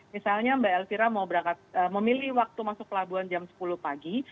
misalnya mbak elvira mau berangkat memilih waktu masuk pelabuhan jam sepuluh pagi